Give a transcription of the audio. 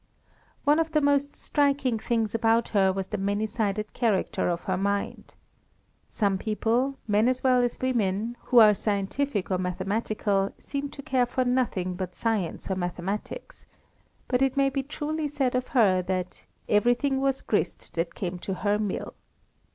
One of the most striking things about her was the many sided character of her mind. Some people—men as well as women—who are scientific or mathematical seem to care for nothing but science or mathematics; but it may be truly said of her that "Everything was grist that came to her mill."